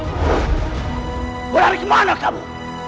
keluar dari mana kamu